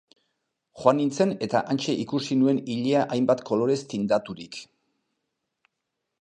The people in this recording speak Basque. Joan nintzen eta hantxe ikusi nuen ilea hainbat kolorez tindaturik...